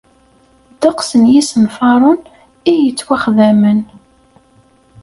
Ddeqs n yisenfaren i yettwaxdamen.